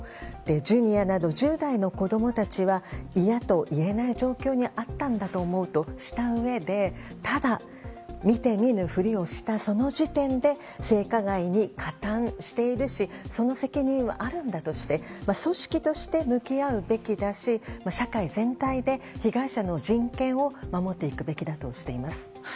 Ｊｒ．など１０代の子供たちは嫌と言えない状況にあったんだと思うとしたうえでただ、見て見ぬふりをしたその時点で性加害に加担しているしその責任はあるんだとして組織として向き合うべきだし社会全体で被害者の人権を守っていくべきだとしています。